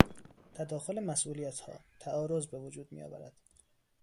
تداخل مسئولیتها، تعارض به وجود میآورد.